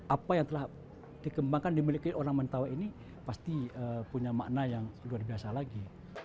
apa yang telah dikembangkan dimiliki orang mentawai ini pasti punya makna yang luar biasa lagi